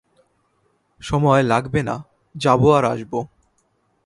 সময় লাগবে না, যাবো আর আসবো।